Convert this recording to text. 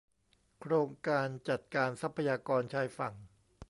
โครงการจัดการทรัพยากรชายฝั่ง